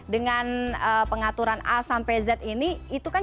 dengan pengaturan a sampai z ini itu kan